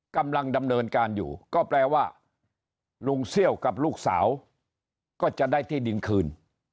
กำลังดำเนินการอยู่ก็แปลว่าลุงเซี่ยวกับลูกสาวก็จะได้ที่ดินคืน